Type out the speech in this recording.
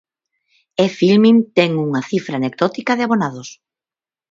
E Filmin ten unha cifra anecdótica de abonados.